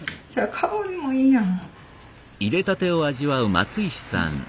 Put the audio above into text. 香りもいいやん。